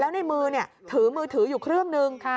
และในมือมือถืออยู่เครื่องหนึ่ง